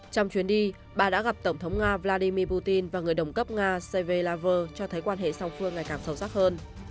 trong chuyến đi bà đã gặp tổng thống nga vladimir putin và người đồng cấp nga serve lavrov cho thấy quan hệ song phương ngày càng sâu sắc hơn